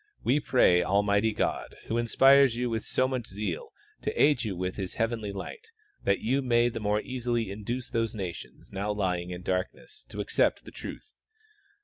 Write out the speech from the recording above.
We pray Almighty God, who inspires you with so much zeal, to aid you with His heavenly light that you may the more easily induce those nations now lying in darkness to ac cept the truth.